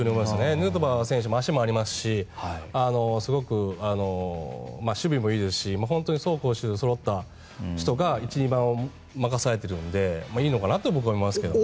ヌートバー選手は足もありますしすごく守備もいいですし本当に走攻守そろった人が１、２番を任されているのでいいのかなと思いますけどね。